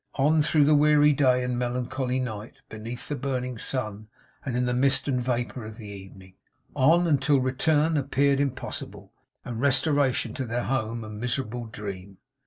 On through the weary day and melancholy night; beneath the burning sun, and in the mist and vapour of the evening; on, until return appeared impossible, and restoration to their home a miserable dream.